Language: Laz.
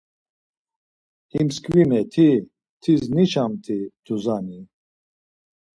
İmskvimet̆i tis niçamt̆i duzani.